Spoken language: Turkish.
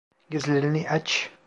Gözlerini aç.